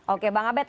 oke bang abed